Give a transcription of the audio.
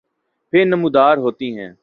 بھی نمودار ہوتی ہیں